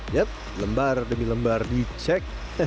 yap lembar demi lembar dicek